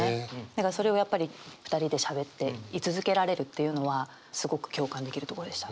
それをやっぱり２人でしゃべってい続けられるっていうのはすごく共感できるとこでした。